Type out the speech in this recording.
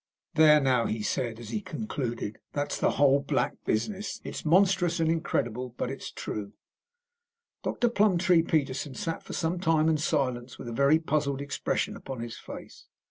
"There now," he said as he concluded, "that's the whole black business. It is monstrous and incredible, but it is true." Dr. Plumptree Peterson sat for some time in silence with a very puzzled expression upon his face.